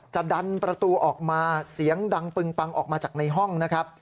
ดันประตูออกมาเสียงดังปึงปังออกมาจากในห้องนะครับ